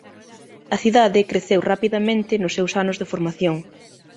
A cidade creceu rapidamente nos seus anos de formación.